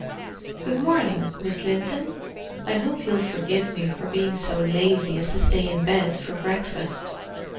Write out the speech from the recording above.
"Good morning, Miss Linton. I hope you'll forgive me for being so lazy as to stay in bed for breakfast.